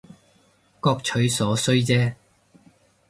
各取所需姐